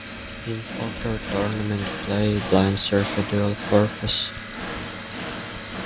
In poker tournament play, blinds serve a dual purpose.